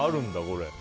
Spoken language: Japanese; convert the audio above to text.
これ。